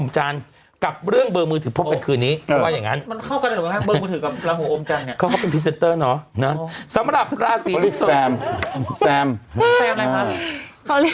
เธอไม่ได้สัมภาษณ์